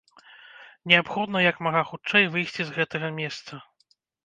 Неабходна як мага хутчэй выйсці з гэтага месца.